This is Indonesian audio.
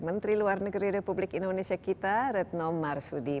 menteri luar negeri republik indonesia kita retno marsudi